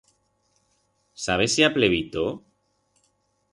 Sabes si ha plevito?